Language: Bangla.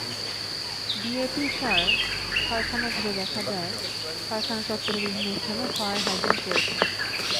ডিএপি সার কারখানা ঘুরে দেখা যায়, কারখানা চত্বরের বিভিন্ন স্থানে ফায়ার হাইড্রেন্ট রয়েছে।